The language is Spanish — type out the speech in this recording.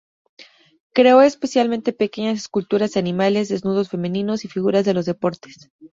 Creó especialmente pequeñas esculturas de animales, desnudos femeninos y figuras de los deportes.